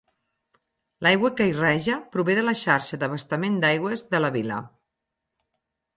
L'aigua que hi raja prové de la xarxa d'abastament d'aigües de la vila.